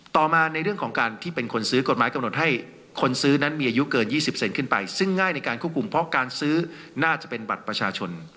ต่อมาในเรื่องของการที่เป็นคนซื้อกฎหมายกำหนดให้คนซื้อนั้นมีอายุเกิน๒๐เซนขึ้นไปซึ่งง่ายในการควบคุมเพราะการซื้อน่าจะเป็นบัตรประชาชน